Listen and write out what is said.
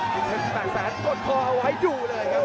เพชร๘แสนกดคอเอาไว้อยู่เลยครับ